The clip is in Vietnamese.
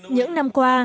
những năm qua